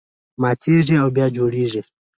ماتېږي او بیا جوړېږي.